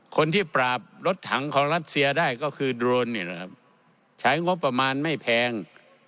คนที่ปราบรถถังของรัชเซียได้ก็คือโดรนใช้งบประมาณไม่แพง